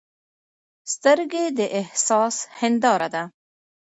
سترګې د احساس هنداره ده